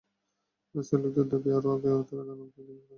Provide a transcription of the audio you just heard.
স্থানীয় লোকদের দাবি, আরও আগে তাঁদের নামতে দিলে তাঁরা সফল হতেন।